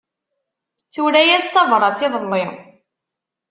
Tura-yas tabrat iḍelli.